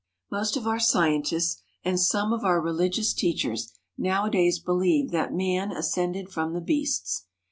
Most of our scientists and some of our religious teachers nowadays believe that man ascended from the beasts.